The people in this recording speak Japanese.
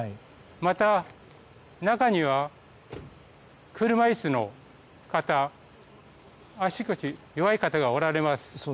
また、中には車椅子の方足腰弱い方がおられます。